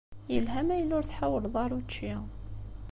Yelha ma yella ur tḥawleḍ ara učči.